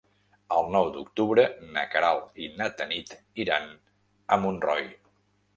El nou d'octubre na Queralt i na Tanit iran a Montroi.